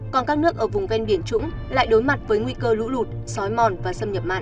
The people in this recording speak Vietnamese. còn các nước ở vùng ven biển trũng lại đối mặt với nguy cơ lũ lụt xói mòn và xâm nhập mặn